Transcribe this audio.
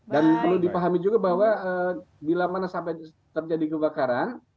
dan perlu dipahami juga bahwa bila mana sampai terjadi kebakaran